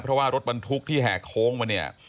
เพราะว่ารถบรรทุกที่แห่โค้งมาเนี่ย